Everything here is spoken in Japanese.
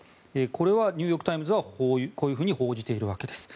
これはニューヨーク・タイムズはこう報じているわけです。